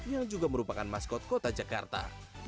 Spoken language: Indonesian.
yang juga merupakan maskot kota jakarta